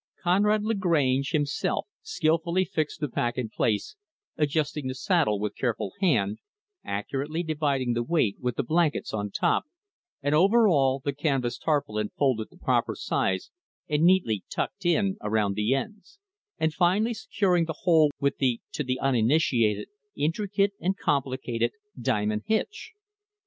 Conrad Lagrange, himself, skillfully fixed the pack in place adjusting the saddle with careful hand; accurately dividing the weight, with the blankets on top, and, over all, the canvas tarpaulin folded the proper size and neatly tucked in around the ends; and finally securing the whole with the, to the uninitiated, intricate and complicated diamond hitch.